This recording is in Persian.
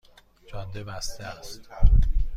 جاده بسته است